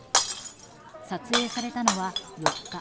撮影されたのは４日。